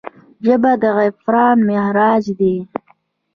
ژبه د عرفان معراج دی